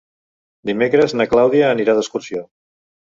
Dimecres na Clàudia anirà d'excursió.